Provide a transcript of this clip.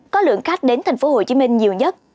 có lượng khách đến thành phố hồ chí minh nhiều nhất